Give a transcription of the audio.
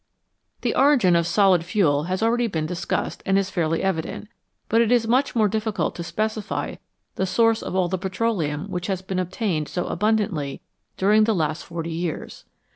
The origin of solid fuel has already been discussed and is fairly evident, but it is much more difficult to specify the source of all the petroleum which has been obtained so abundantly during the last forty years.